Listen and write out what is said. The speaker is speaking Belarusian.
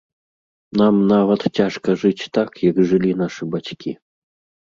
Нам нават цяжка жыць так, як жылі нашы бацькі.